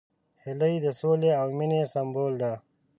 هیلۍ د سولې او مینې سمبول ده